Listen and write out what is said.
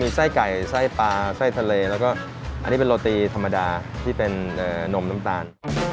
ไส้ไก่ไส้ปลาไส้ทะเลแล้วก็อันนี้เป็นโรตีธรรมดาที่เป็นนมน้ำตาล